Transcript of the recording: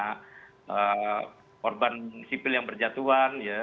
karena korban sipil yang berjatuhan ya